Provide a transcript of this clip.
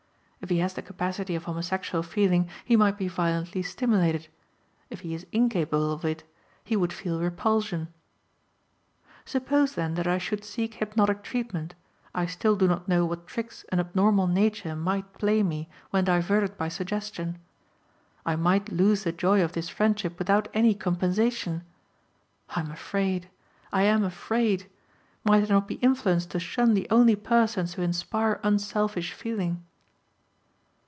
If he has the capacity of homosexual feeling he might be violently stimulated; if he is incapable of it, he would feel repulsion. "Suppose, then, that I should seek hypnotic treatment, I still do not know what tricks an abnormal nature might play me when diverted by suggestion. I might lose the joy of this friendship without any compensation. I am afraid; I am afraid! Might I not be influenced to shun the only persons who inspire unselfish feeling?